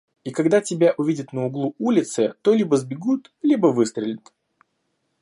и когда тебя увидят на углу улицы, то либо сбегут, либо выстрелят.